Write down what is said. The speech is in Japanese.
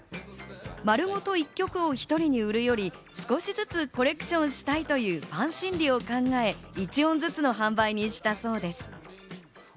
丸ごと１曲を１人に売るより少しずつコレクションしたいというファン心理を考え、１音ずつの販売にしたそうです。